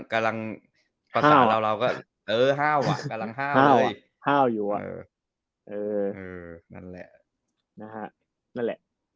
กำลังฮ่าวอยู่วะ